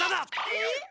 えっ？